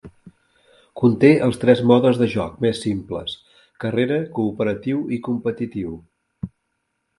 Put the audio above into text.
Conté els tres modes de joc més simples: carrera, cooperatiu i competitiu.